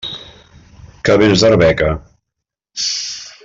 Que vens d'Arbeca?